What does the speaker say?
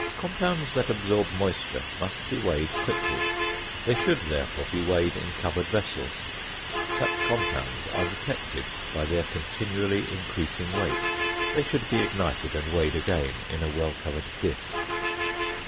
Compounds that absorb moisture must be weighed quickly; they should, therefore, be weighed in covered vessels. Such compounds are detected by their continually increasing weight. They should be ignited and weighed again in a well covered dish.